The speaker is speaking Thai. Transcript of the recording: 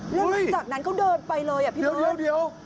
แล้วหลังจากนั้นเขาเดินไปเลยอ่ะพี่เบิร์ตเดี๋ยว